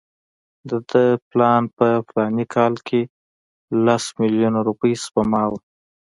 د ده پلان په فلاني کال کې لس میلیونه روپۍ سپما وه.